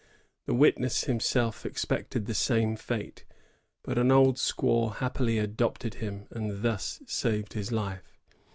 The witness himself expected the same fate, but an old squaw happily adopted him, and thus saved his life.